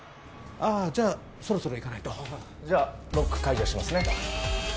ああじゃあそろそろ行かないとじゃあロック解除しますね